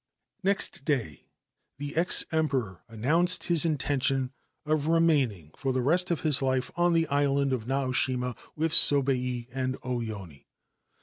Next day the ex Emperor announced his intention remaining for the rest of his life on the island of N; shima with Sobei and O Yone.